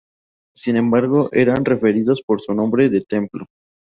Sin embargo, eran referidos por su nombre de templo.